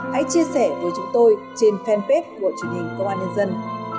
hãy chia sẻ với chúng tôi trên fanpage của truyền hình công an nhân dân